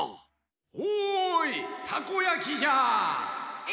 おいたこやきじゃ！え？